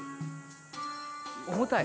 重たい？